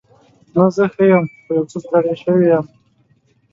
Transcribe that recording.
نه، زه ښه یم. خو یو څه ستړې شوې یم.